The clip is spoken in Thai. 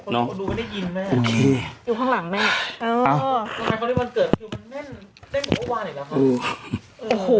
ดูแล้วไม่ได้ยินนะ